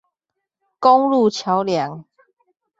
公路橋梁